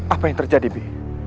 apa yang terjadi bi